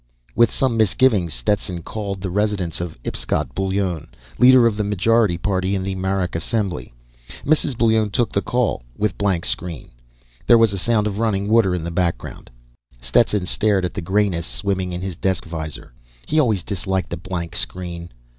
With some misgivings, Stetson called the residence of Ipscott Bullone, leader of the majority party in the Marak Assembly. Mrs. Bullone took the call with blank screen. There was a sound of running water in the background. Stetson stared at the grayness swimming in his desk visor. He always disliked a blank screen.